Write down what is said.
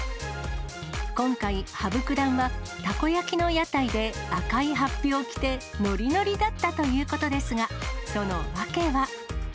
今回、羽生九段はたこ焼きの屋台で赤いはっぴを着て、ノリノリだったということですが、その訳は。